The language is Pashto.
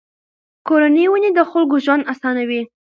کورني ونې د خلکو ژوند آسانوي.